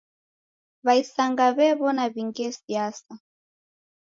W'aisanga w'ew'ona w'ingie siasa.